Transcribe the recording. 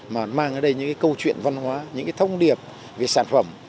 mà mang ở đây những câu chuyện văn hóa những thông điệp về sản phẩm